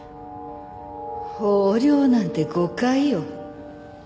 横領なんて誤解よ。